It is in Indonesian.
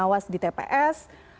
atau pengawas di tps